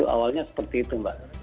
awalnya seperti itu mbak